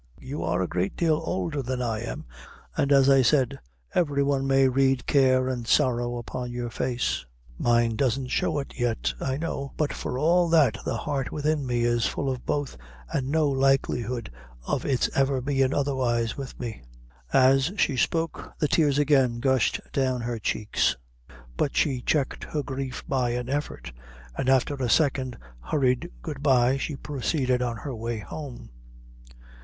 "You are a great deal oulder than I am, an' as I said, every one may read care an' sorrow upon your face. Mine doesn't show it yet, I know, but for all that the heart within me is full of both, an' no likelihood of its ever bein' otherwise with me." As she spoke, the tears again gushed down her cheeks; but she checked her grief by an effort, and after a second hurried good bye, she proceeded on her way home.